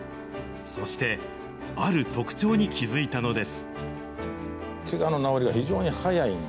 そして、ある特徴に気付いたのです。